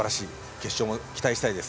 決勝も期待したいです。